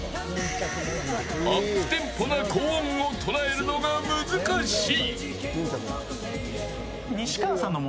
アップテンポな高音を捉えるのが難しい。